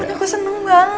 aku seneng banget